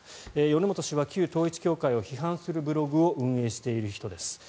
米本氏は旧統一教会を批判するブログを運営している人です。